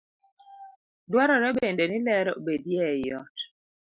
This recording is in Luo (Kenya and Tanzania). Dwarore bende ni ler obedie ei ot.